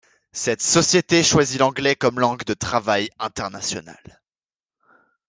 Cette société choisit l'anglais comme langue de travail internationale.